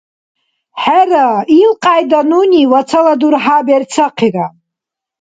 ХӀера, илкьяйда нуни вацала дурхӀя берцахъира.